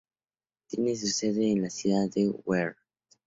Tiene su sede en la ciudad de Weert.